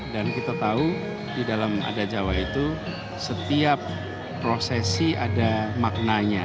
dan kita tahu di dalam adat jawa itu setiap prosesi ada maknanya